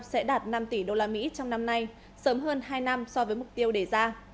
sẽ đạt năm tỷ usd trong năm nay sớm hơn hai năm so với mục tiêu đề ra